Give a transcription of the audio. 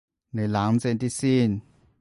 你冷靜啲先